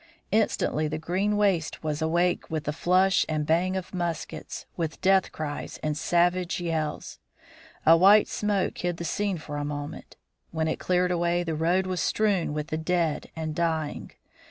Instantly the green waste was awake with the flash and bang of muskets, with death cries and savage yells. A white smoke hid the scene for a moment. When it cleared away, the road was strewn with the dead and dying.